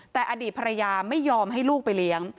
แต่อดีตภรรยาไม่ยอมให้ลูกไปเลี้ยง